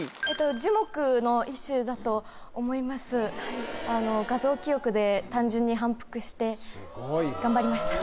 樹木の一種だと思います画像記憶で単純に反復して頑張りました